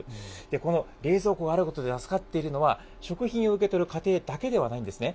この冷蔵庫があることで助かっているのは、食品を受け取る家庭だけではないんですね。